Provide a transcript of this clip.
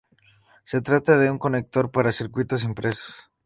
Se trata de un conector para circuitos impresos.